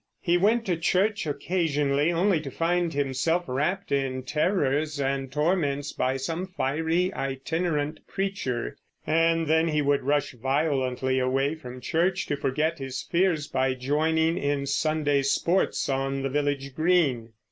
He went to church occasionally, only to find himself wrapped in terrors and torments by some fiery itinerant preacher; and he would rush violently away from church to forget his fears by joining in Sunday sports on the village green.